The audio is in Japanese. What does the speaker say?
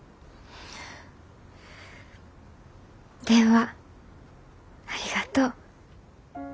電話ありがとう。